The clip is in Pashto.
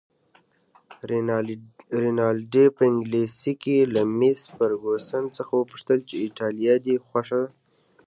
رینالډي په انګلیسي کې له مس فرګوسن څخه وپوښتل چې ایټالیه دې خوښه ده؟